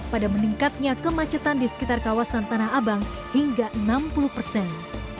pada meningkatnya kemacetan di sekitar kawasan tanah abang hingga enam puluh persen